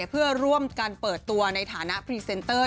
เพื่อร่วมกันเปิดตัวในฐานะพรีเซนเตอร์